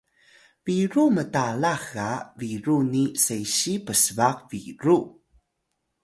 biru mtalah ga biru ni sesiy psbaq biru